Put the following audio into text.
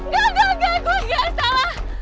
gak gak gak gue gak salah